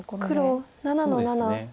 黒７の七。